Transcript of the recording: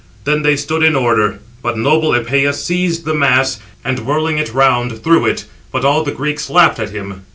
Then they stood in order; but noble Epëus seized the mass, and, whirling it round, threw it; but all the Greeks laughed at him.